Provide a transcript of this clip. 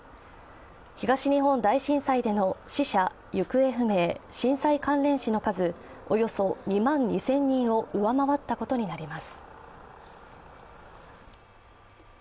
東日本大震災での死者・行方不明、震災関連死の数、およそ２万２０００人を上回ったことになります。